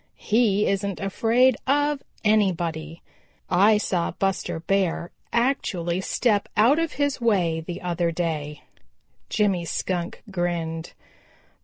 He isn't afraid of anybody. I saw Buster Bear actually step out of his way the other day." Jimmy Skunk grinned.